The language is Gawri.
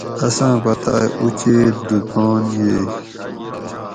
اساں پتائے اوچیت دکان ییگ